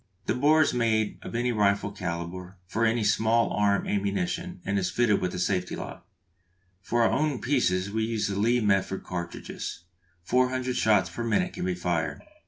The bore is made of any rifle calibre for any small arm ammunition, and is fitted with a safety lock. For our own pieces we use the Lee Metford cartridges. Four hundred shots per minute can be fired.